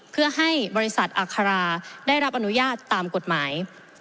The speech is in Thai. เพื่อให้บริษัทอัคราได้รับอนุญาตตามกฎหมาย